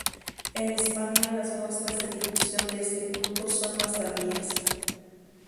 En Hispania las muestras de difusión de este culto son más tardías.